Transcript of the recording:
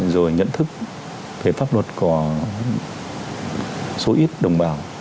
rồi nhận thức về pháp luật có số ít đồng bào